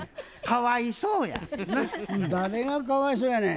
誰がかわいそうやねん。